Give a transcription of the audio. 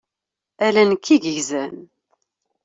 Ala nekk i yegzan.